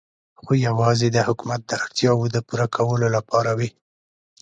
خو یوازې د حکومت د اړتیاوو د پوره کولو لپاره وې.